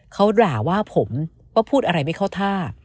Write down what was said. เขาด่าว่าผมว่าพูดอะไรไม่เข้าท่า